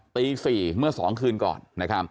ตี๔เมื่อ๒คืนก่อน